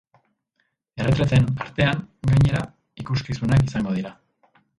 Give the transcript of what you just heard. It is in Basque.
Erretreten artean, gainera, ikuskizunak izango dira.